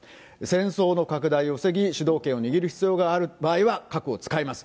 戦争の拡大を防ぎ、主導権を握る必要がある場合は核を使います。